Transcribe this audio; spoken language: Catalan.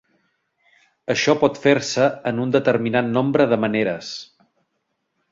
Això pot fer-se en un determinat nombre de maneres.